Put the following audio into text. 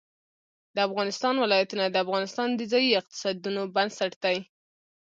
د افغانستان ولايتونه د افغانستان د ځایي اقتصادونو بنسټ دی.